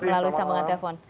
lalu saya mengantar telepon